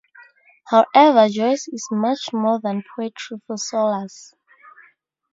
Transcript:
However, Joyce is much more than poetry for Sollers.